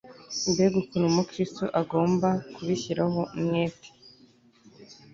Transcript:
mbega ukuntu Umukristo agomba kubishyiraho umwete